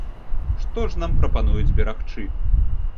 Што ж нам прапануюць берагчы?